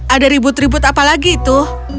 ada ribut ribut apa lagi itu